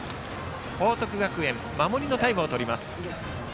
報徳学園は守りのタイムをとります。